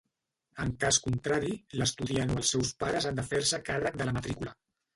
En cas contrari, l'estudiant o els seus pares han de fer-se càrrec de la matrícula.